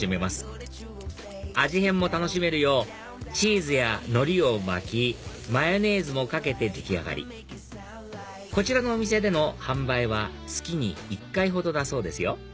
変も楽しめるようチーズやのりを巻きマヨネーズもかけて出来上がりこちらのお店での販売は月に１回ほどだそうですよ